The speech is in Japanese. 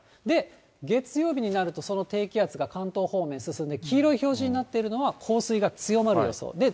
で、月曜日になると、その低気圧が関東方面進んで黄色表示になっているのは、降水が強まる予想。